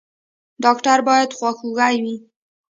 ډاکټر باید خواخوږی وي